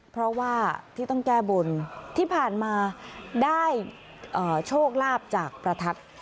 เพราะว่าที่ต้องแก้บนที่ผ่านมาได้โชคลาภจากประทัด